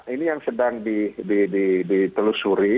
ini yang sedang ditelusuri